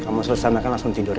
kamu selesanakan langsung tidurnya